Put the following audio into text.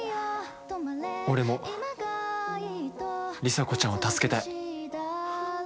俺も里紗子ちゃんを助けたい。